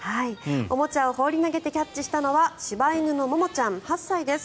おもちゃを放り投げてキャッチしたのは柴犬のももちゃん、８歳です。